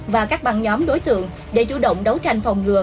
và các băng nhóm đối tượng để chủ động đấu tranh phòng ngừa